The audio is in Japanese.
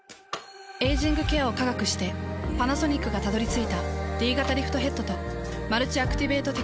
エイジングケアを科学してパナソニックがたどり着いたＤ型リフトヘッドとマルチアクティベートテクノロジー。